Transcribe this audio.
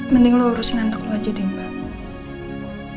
mending lo urusin anak lo aja deh mba